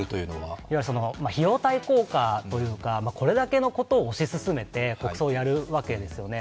費用対効果というか、これだけのことを推し進めて国葬をやるわけですよね。